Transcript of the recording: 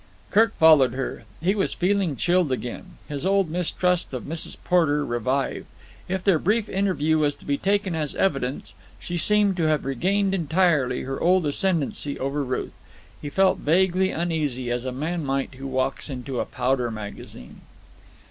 Kirk followed her. He was feeling chilled again. His old mistrust of Mrs. Porter revived. If their brief interview was to be taken as evidence, she seemed to have regained entirely her old ascendancy over Ruth. He felt vaguely uneasy, as a man might who walks in a powder magazine.